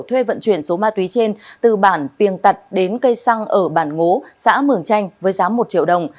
thuê vận chuyển số ma túy trên từ bản piềng tật đến cây xăng ở bản ngố xã mường chanh với giá một triệu đồng